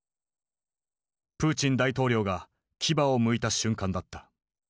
プーチン大統領が牙をむいた瞬間だった。